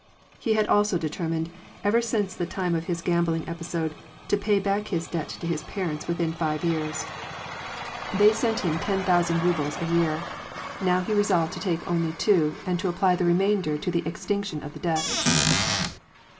He had also determined, ever since the time of his gambling episode, to pay back his debt to his parents within five years. WAR AND PEACE. 127 They sent him ten thousand rubles a year ; now he resolved to take only two, and to apply the remainder to the extinction of the debt.